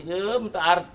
kan kadang cewek kan takut